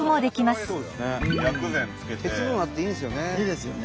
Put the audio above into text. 鉄分あっていいですよね。